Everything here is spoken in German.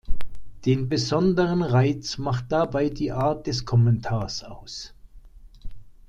Den besonderen Reiz macht dabei die Art des Kommentars aus.